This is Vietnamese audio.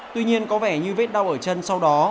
tuy nhiên có vẻ như vết đau ở chân sau đó